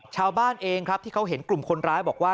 ชาวบ้านเองครับที่เขาเห็นกลุ่มคนร้ายบอกว่า